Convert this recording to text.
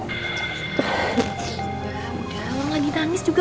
udah udah orang lagi nangis juga